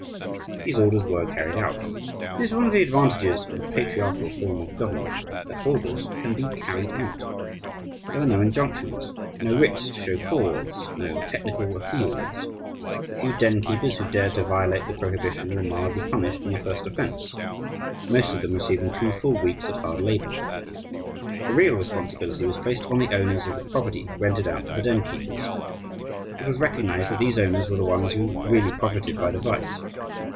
These orders were carried out. It is one of the advantages of a patriarchal form of government that orders can be carried out. There were no injunctions, no writs to show cause, no technical appeals. The few den keepers who dared to violate the prohibition were mildly punished on the first offense most of them receiving two full weeks at hard labour. The real responsibility was placed upon the owners of the property rented out to the den keepers. It was recognized that these owners were the ones who really profited by the vice.